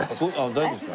大丈夫ですか？